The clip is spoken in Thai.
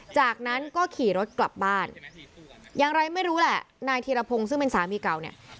จากนั้นก็ขี่รถกลับบ้านอย่างไรไม่รู้แหละนายธีรพงศ์ซึ่งเป็นสามีเก่าเนี่ย